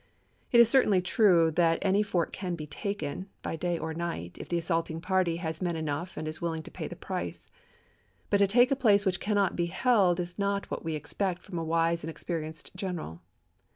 pp. ew, ek It is certainly true that any fort can be taken, by day or night, if the assaulting party has men enough and is willing to pay the price; but to take a place which cannot be held is not what we expect from a wise and experienced general.